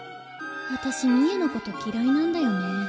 あたし美恵のこときらいなんだよね。